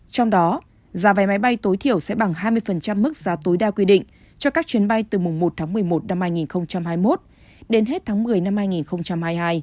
trong đó giá vé máy bay tối thiểu sẽ bằng hai mươi mức giá tối đa quy định cho các chuyến bay từ mùng một tháng một mươi một năm hai nghìn hai mươi một đến hết tháng một mươi năm hai nghìn hai mươi hai